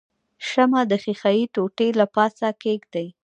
شمع د ښيښې ټوټې له پاسه کیږدئ.